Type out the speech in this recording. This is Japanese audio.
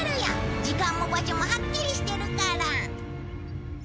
時間も場所もはっきりしてるから。